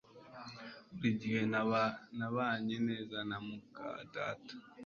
Buri gihe nabanye neza na muka data